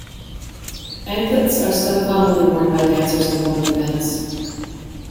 Anklets are still commonly worn by dancers in public events.